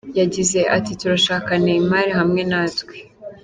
Yagize ati: "Turashaka Neymar hamwe natwe.